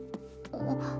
あっ。